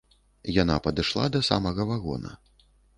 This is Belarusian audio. Яна падышла да самага вагона.